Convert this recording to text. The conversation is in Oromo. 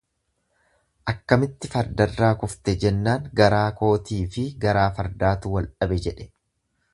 Attamitti fardarraa kufte jennaan garaa kootiifi garaa fardaatu waldhabe jedhe.